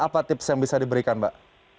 apa tips yang bisa diberikan mbak